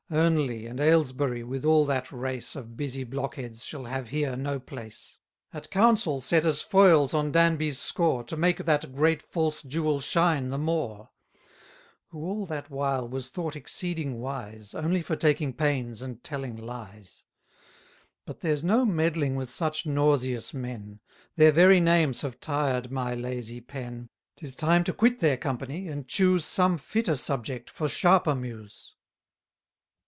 Earnely and Aylesbury with all that race Of busy blockheads, shall have here no place; At council set as foils on Danby's score, To make that great false jewel shine the more; Who all that while was thought exceeding wise, Only for taking pains and telling lies. But there's no meddling with such nauseous men; 80 Their very names have tired my lazy pen: 'Tis time to quit their company, and choose Some fitter subject for sharper muse.